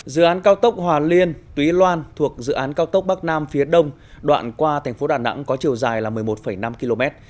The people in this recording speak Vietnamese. dự án cao tốc hòa liên túy loan thuộc dự án cao tốc bắc nam phía đông đoạn qua thành phố đà nẵng có chiều dài một mươi một năm km